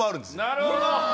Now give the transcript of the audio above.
なるほど。